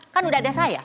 kan udah ada saya